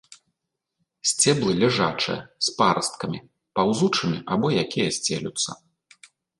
Сцеблы ляжачыя, з парасткамі, паўзучымі або якія сцелюцца.